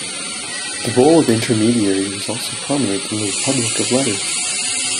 The role of intermediary was also prominent in the Republic of Letters.